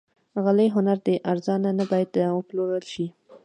غالۍ هنر دی، ارزانه نه باید وپلورل شي.